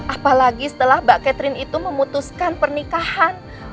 apalagi setelah mbak catherine itu memutuskan pernikahan